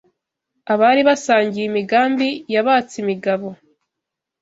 Abari basangiye imigambi Yabatse imigabo